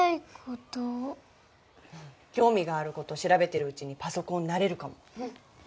興味があることしらべてるうちにパソコンなれるかも。